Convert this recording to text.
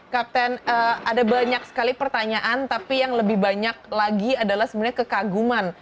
kapten ada banyak sekali pertanyaan tapi yang lebih banyak lagi adalah sebenarnya kekaguman